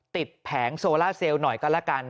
ติดแผงโซล่าเซลล์หน่อยก็ละกัน